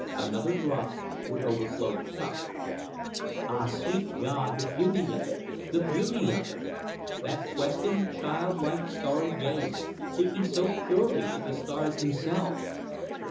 Another drop would overflow the cup. Ah, sweet God, the beauty of it, the beauty of it! That questing, childlike starry gaze, seeking so purely to the stars themselves!